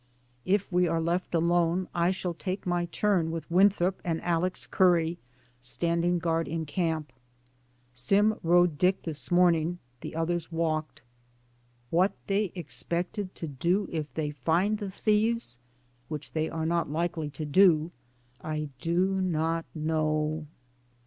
If we are left alone, I shall take my turn, with Winthrop and Alex. Curry stand ing guard in camp. Sim rode Dick this morning, the others walked. What they ex pect to do if they find the thieves (which they are not likely to do) I do not know.